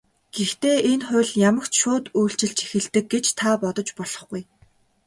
Гэхдээ энэ хууль ямагт шууд үйлчилж эхэлдэг гэж та бодож болохгүй.